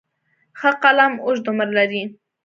ښه قلم اوږد عمر لري.